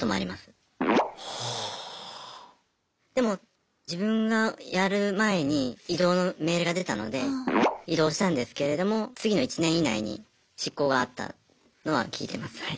でも自分がやる前に異動の命令が出たので異動したんですけれども次の１年以内に執行があったのは聞いてます。